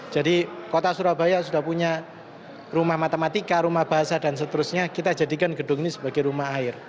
jadi kota surabaya sudah punya rumah matematika rumah bahasa dan seterusnya kita jadikan gedung ini sebagai rumah air